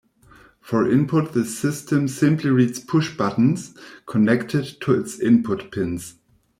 For input, the system simply reads pushbuttons connected to its input pins.